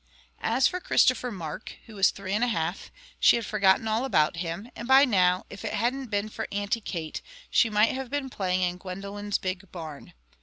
As for Christopher Mark, who was three and a half, she had forgotten all about him; and by now, if it hadn't been for Auntie Kate, she might have been playing in Gwendolen's big barn.